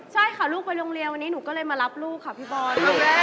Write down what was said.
ใช่ค่ะลูกไปโรงเรียนวันนี้หนูก็เลยมารับลูกค่ะพี่บอล